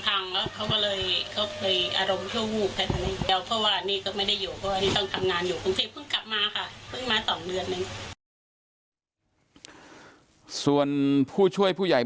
จริงเขาไม่ได้อะไรเดี๋ยวเขาแค่สำรวจก็จะจับรถมาใส่แต่